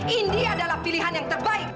ini adalah pilihan yang terbaik